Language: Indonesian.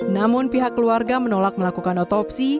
namun pihak keluarga menolak melakukan otopsi